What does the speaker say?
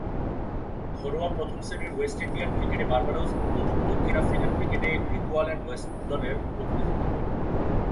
ঘরোয়া প্রথম-শ্রেণীর West Indian ক্রিকেটে বার্বাডোস ও দক্ষিণ আফ্রিকান ক্রিকেটে গ্রিকুয়াল্যান্ড ওয়েস্ট দলের প্রতিনিধিত্ব করেন।